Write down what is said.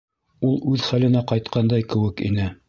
Ул үҙ хәленә ҡайтҡандай кеүек ине.